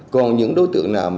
còn những đối tượng nào